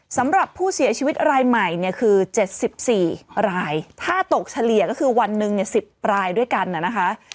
สำหรับผู้เสียชีวิตรายใหม่เนี่ยคือ๗๔รายถ้าตกเฉลี่ยก็คือวันหนึ่ง๑๐รายด้วยกันนะคะ